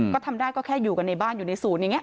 ก็ทำได้ก็แค่อยู่กันในบ้านอยู่ในศูนย์อย่างนี้